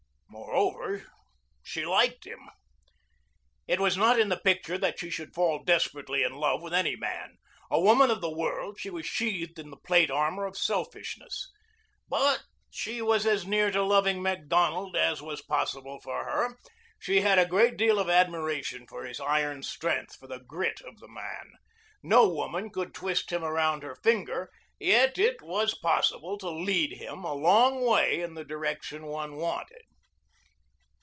Moreover, she liked him. It was not in the picture that she should fall desperately in love with any man. A woman of the world, she was sheathed in the plate armor of selfishness. But she was as near to loving Macdonald as was possible for her. She had a great deal of admiration for his iron strength, for the grit of the man. No woman could twist him around her finger, yet it was possible to lead him a long way in the direction one wanted.